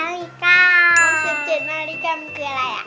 ๑๗มคมมันคืออะไรอะ